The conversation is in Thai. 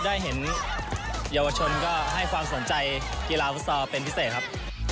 ได้เห็นเยาวชนก็ให้ความสนใจกีฬาฟุตซอลเป็นพิเศษครับ